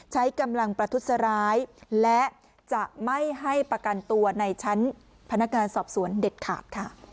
ใช้กำลังประทุษร้ายและจะไม่ให้ประกันตัวในชั้นพนักงานสอบสวนเด็ดขาดค่ะ